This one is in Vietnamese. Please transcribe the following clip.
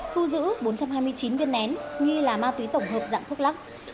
thu giữ bốn trăm hai mươi chín viên nén nghi là ma túy tổng hợp dạng thuốc lắc